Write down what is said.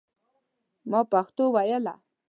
ما پښتو ویله.